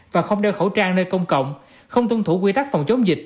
và không đeo khẩu trang nơi công cộng không tuân thủ quy tắc phòng chống dịch